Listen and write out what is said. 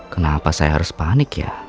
kenapa saya harus panik ya